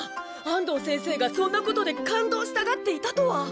安藤先生がそんなことで感動したがっていたとは。